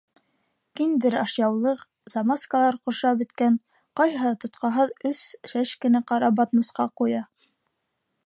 Киндер ашъяулыҡ, замаскалар ҡоршап бөткән, ҡайһыһы тотҡаһыҙ өс шәшкене ҡара батмусҡа ҡуя.